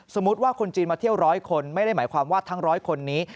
สมมุติว่าคนจีนมาเที่ยวร้อยคนไม่ได้หมายความว่าทั้ง๑๐๐คนนี้